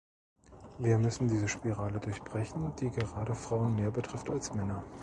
Wir müssen diese Spirale durchbrechen, die gerade Frauen mehr betrifft als Männer.